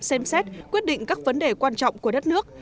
xem xét quyết định các vấn đề quan trọng của đất nước